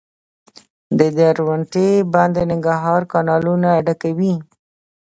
د درونټې بند د ننګرهار کانالونه ډکوي